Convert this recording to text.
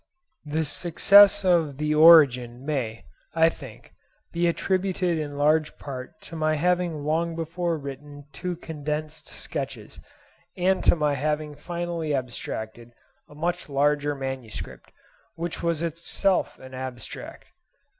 The success of the 'Origin' may, I think, be attributed in large part to my having long before written two condensed sketches, and to my having finally abstracted a much larger manuscript, which was itself an abstract.